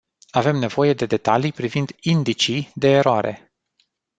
Avem nevoie de detalii privind indicii de eroare.